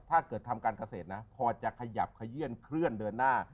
ถ้าเกิดทำการเกษตรนะพอจะขยับขยื่นเคลื่อนเดินหน้า